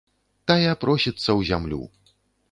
Тая просіцца ў зямлю.